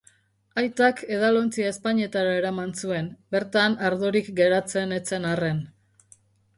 Aitak edalontzia ezpainetara eraman zuen, bertan ardorik geratzen ez zen arren.